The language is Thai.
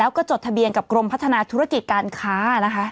แล้วก็จดทะเบียนกับกรมพัฒนาธุรกิจการค้านะคะ